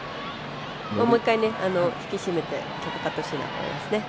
もう１回、引き締めて戦ってほしいなと思います。